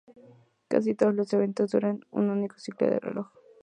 Casi todos los eventos duran un único ciclo de reloj.